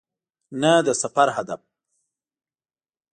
نه د سفر هدف .